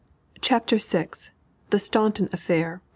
CHAPTER VI. THE STAUNTON AFFAIR.